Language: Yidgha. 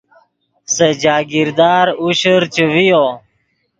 سے جاگیر دار عشر چے ڤیو